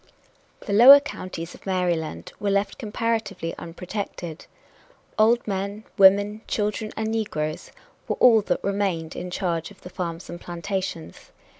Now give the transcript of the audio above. The lower counties of Maryland were left comparatively unprotected. Old men, women, children and negroes were all that remained in charge of the farms and plantations.